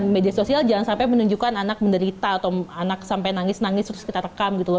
media sosial jangan sampai menunjukkan anak menderita atau anak sampai nangis nangis terus kita rekam gitu loh